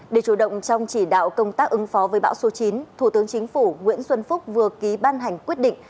để chủ động trong chỉ đạo công tác ứng phó với bão số chín thủ tướng chính phủ nguyễn xuân phúc vừa ký ban hành quyết định